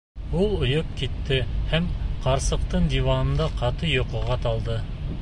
Ул ойоп китте һәм ҡарсыҡтың диванында ҡаты йоҡоға талды.